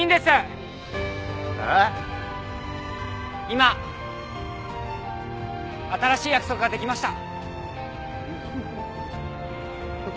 今新しい約束ができました。